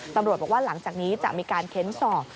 ตำรวจบอกว่าหลังจากนี้จะมีการเค้นสอบ